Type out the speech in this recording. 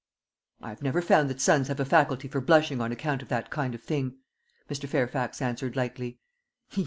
"I have never found that sons have a faculty for blushing on account of that kind of thing," Mr. Fairfax answered lightly.